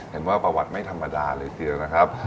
เห็นว่าประวัติไม่ธรรมดาเลยทีเดียวนะครับ